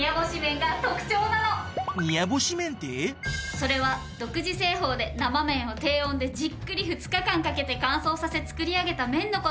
それは独自製法で生麺を低温でじっくり２日間かけて乾燥させ作り上げた麺の事。